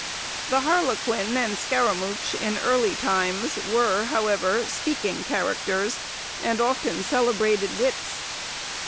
The harlequin and scaramouch in early times were, however, speaking characters, and often celebrated wits.